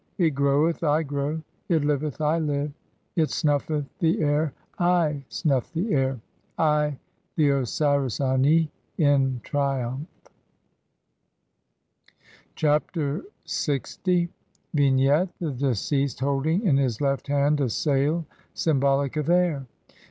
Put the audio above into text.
It groweth, I grow ; it liveth, I live ; (4) it snuffeth "the air, I snuff the air, I the Osiris Ani, in triumph." Chapter LX. [From Lcpsius, Todtenbuch, Bl. 23.] Vignette : The deceased holding in his left hand a sail, symbolic of air.